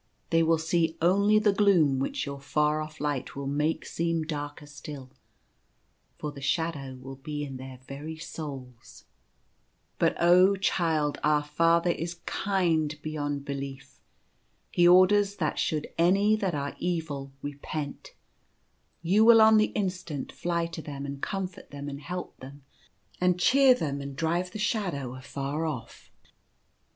They will see only the gloom which your far off light will make seem darker still, for the shadow will be in their very souls. The Incoming of the Children of Death. \\" But oh, Child, our Father is kind beyond belief. He orders that should any that are evil repent, you will on the instant fly to them, and comfort them, and help them, and cheer them, and drive the shadow afar oflF.